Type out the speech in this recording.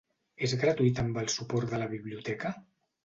És gratuït amb el suport de la biblioteca?